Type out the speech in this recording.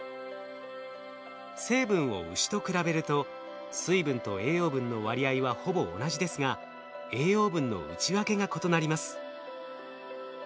成分をウシと比べると水分と栄養分の割合はほぼ同じですが栄養分の内訳が異なります。